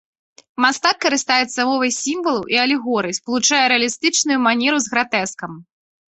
Мастак карыстаецца мовай сімвалаў і алегорый, спалучае рэалістычную манеру з гратэскам.